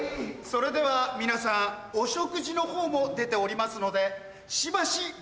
それでは皆さんお食事のほうも出ておりますので。